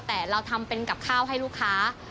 แต่เราทำเป็นกับข้าวให้ลูกค้า